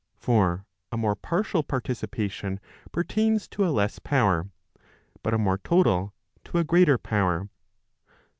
For a more partial participation pertains to a less power; but a more total to a greater power.